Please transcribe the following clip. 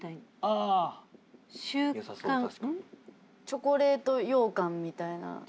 チョコレート羊かんみたいな。